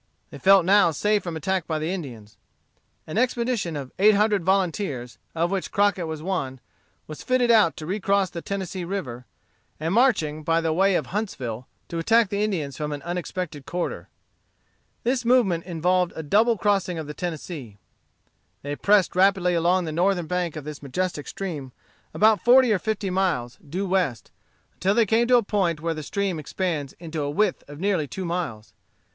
They felt now safe from attack by the Indians. An expedition of eight hundred volunteers, of which Crockett was one, was fitted out to recross the Tennessee River, and marching by the way of Huntsville, to attack the Indians from an unexpected quarter. This movement involved a double crossing of the Tennessee. They pressed rapidly along the northern bank of this majestic stream, about forty or fifty miles, due west, until they came to a point where the stream expands into a width of nearly two miles.